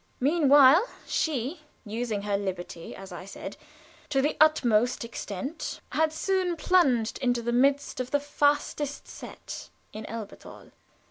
Meanwhile she, using her liberty, as I said, to the utmost extent, had soon plunged into the midst of the fastest set in Elberthal.